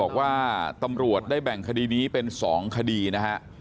บอกว่าตำรวจได้แบ่งคดีนี้เป็น๒คดีนะฮะ